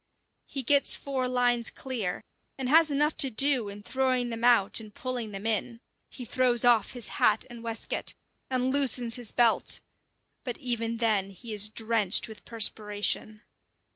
He gets four lines clear, and has enough to do in throwing them out and pulling them in. He throws off his hat and waistcoat, and loosens his belt but even then he is drenched with perspiration.